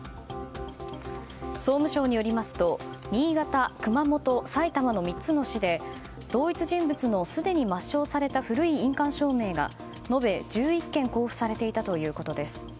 総務省によりますと新潟、熊本さいたまの３つの市で同一人物のすでに抹消された古い印鑑証明が延べ１１件公布されていたということです。